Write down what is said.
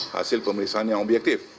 hasil pemeriksaan yang objektif